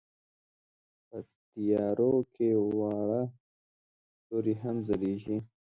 په تیارو کې واړه ستوري هم ځلېږي.